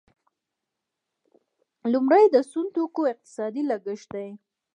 لومړی د سون توکو اقتصادي لګښت دی.